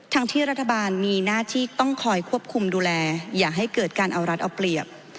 ทั้งที่รัฐบาลมีหน้าที่ต้องคอยควบคุมดูแลอย่าให้เกิดการเอารัฐเอาเปรียบ